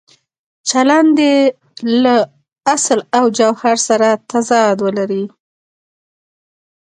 چلند یې له اصل او جوهر سره تضاد ولري.